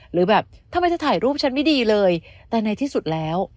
หรือแบบทำไมเธอถ่ายรูปฉันไม่ดีเลยแต่ในที่สุดแล้ว